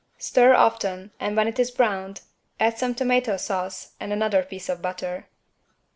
Stir often and when it is browned add some tomato sauce and another piece of butter.